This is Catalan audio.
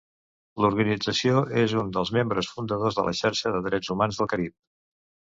L'organització és un dels membres fundadors de la Xarxa de Drets Humans del Carib.